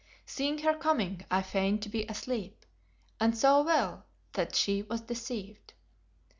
Seeing her coming I feigned to be asleep, and so well that she was deceived.